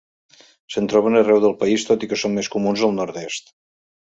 Se'n troben arreu del país tot i que són més comuns al nord-est.